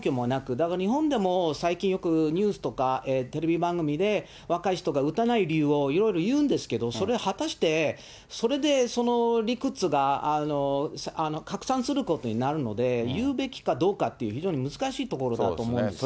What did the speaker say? だから日本でも、最近よくニュースとか、テレビ番組で、若い人が打たない理由をいろいろ言うんですけど、それ、果たして、それで、その理屈が拡散することになるので、言うべきかどうかっていう、非常に難しいところだと思うんですよね。